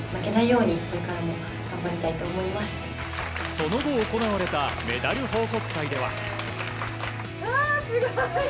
その後、行われたメダル報告会では。